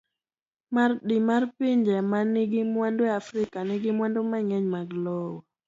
D. mar Pinje ma nigi mwandu e Afrika, nigi mwandu mang'eny mag lowo.